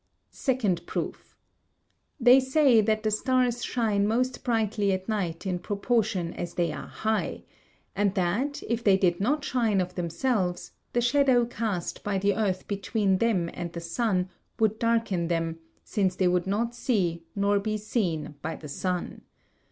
Second proof. They say that the stars shine most brightly at night in proportion as they are high; and that, if they did not shine of themselves, the shadow cast by the earth between them and the sun would darken them, since they would not see nor be seen by the sun.